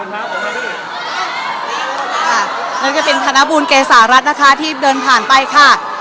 นั้นก็เป็นทางบูรณ์เกษารัฐที่เดินผ่านไปค่ะ